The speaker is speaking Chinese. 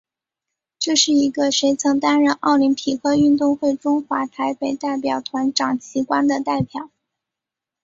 这是一个谁曾担任奥林匹克运动会中华台北代表团掌旗官的列表。